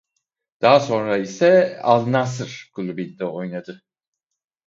Daha sonra ise Al-Nasr kulübünde oynadı.